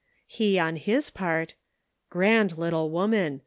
" He on his part: " Grand little woman